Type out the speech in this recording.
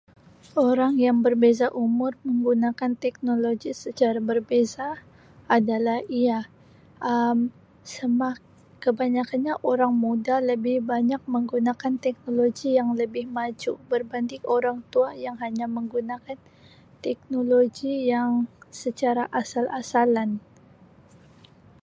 Orang yang berbeza umur menggunakan teknologi secara berbeza adalah iya, Um sema-kebanyakkannya orang muda lebih banyak menggunakan teknologi yang lebih maju berbanding orang tua yang hanya menggunakan teknologi yang secara asal-asalan.